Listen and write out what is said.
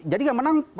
jadi yang menang